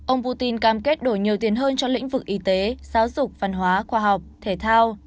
ông putin cam kết đổi nhiều tiền hơn cho lĩnh vực y tế giáo dục văn hóa khoa học thể thao